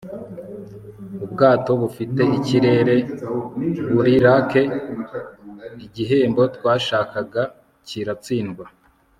Ubwato bufite ikirered buri rack igihembo twashakaga kiratsindwa